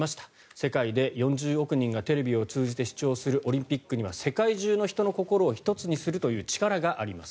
世界で４０億人がテレビを通じて視聴するオリンピックには世界中の人の心を一つにするという力があります。